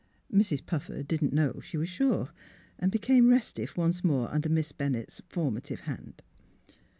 Mrs. Puffer didn't know, she w^as sure; and be came restive once more under Miss Bennett's formative hand.